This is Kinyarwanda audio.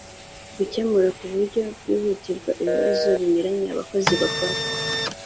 gukemura ku buryo bwihutirwa ibibazo binyuranye abakozi bakora